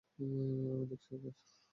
আমি দেখছি ওদের।